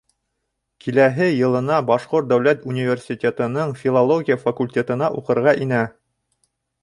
Киләһе йылына Башҡорт дәүләт университетының филология факультетына уҡырға инә.